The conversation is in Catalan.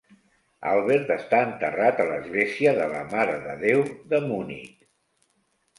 Albert està enterrat a l'Església de la Mare de Déu de Munic.